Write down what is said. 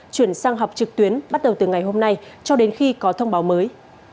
chuyển sang học trực tuyến bắt đầu từ ngày hôm nay cho đến khi có thông báo mới